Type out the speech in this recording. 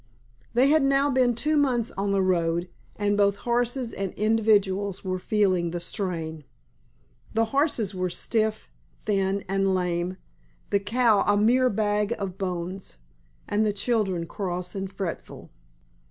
They had now been two months on the road, and both horses and individuals were feeling the strain. The horses were stiff, thin and lame, the cow a mere bag of bones, and the children cross and fretful.